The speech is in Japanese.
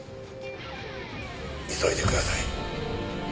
急いでください。